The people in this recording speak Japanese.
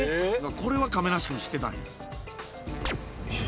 これは亀梨君、知ってたんや。